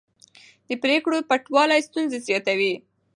د پرېکړو پټوالی ستونزې زیاتوي